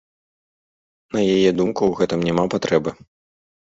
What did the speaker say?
На яе думку, у гэтым няма патрэбы.